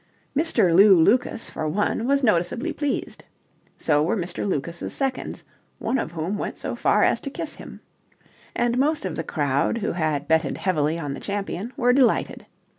Mr. Lew Lucas, for one, was noticeably pleased. So were Mr. Lucas's seconds, one of whom went so far as to kiss him. And most of the crowd, who had betted heavily on the champion, were delighted.